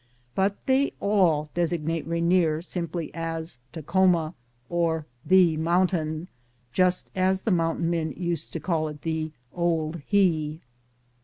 But they all designate Rainier simply as Takhoma, or The Mountain, just as the mountam men used to call it the "Old He."